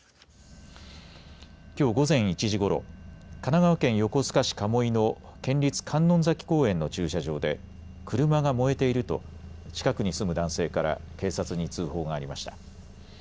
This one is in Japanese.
きょう午前１時ごろ、神奈川県横須賀市鴨居の県立観音崎公園の駐車場で車が燃えていると近くに住む男性から警察に通報がありました。